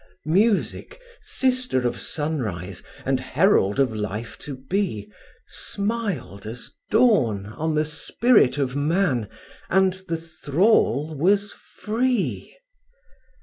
Music, sister of sunrise, and herald of life to be, Smiled as dawn on the spirit of man, and the thrall was free.